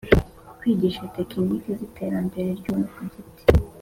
Kwigisha tekiniki z iterambere ry Umuntu ku giti